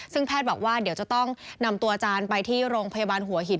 ซึ่งแพทย์บอกว่าเดี๋ยวจะต้องนำตัวอาจารย์ไปที่โรงพยาบาลหัวหิน